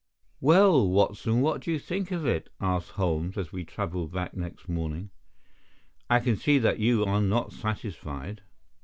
"Well, Watson, what do you think of it?" asked Holmes, as we travelled back next morning. "I can see that you are not satisfied."